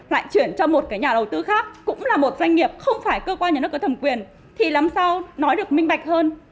lại chuyển cho một cái nhà đầu tư khác cũng là một doanh nghiệp không phải cơ quan nhà nước có thẩm quyền thì làm sao nói được minh bạch hơn